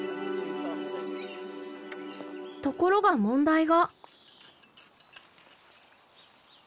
ところが問題が。